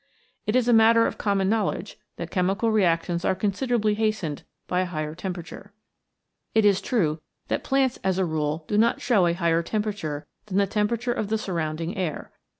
It is a matter of common know ledge that chemical reactions are considerably hastened by a higher temperature. It is true that plants as a rule do not show a higher tempera ture than the temperature of the surrounding air.